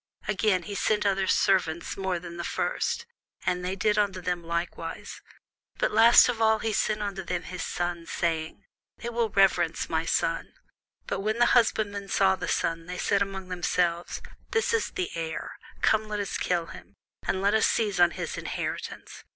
Again, he sent other servants more than the first: and they did unto them likewise. But last of all he sent unto them his son, saying, They will reverence my son. But when the husbandmen saw the son, they said among themselves, This is the heir; come, let us kill him, and let us seize on his inheritance.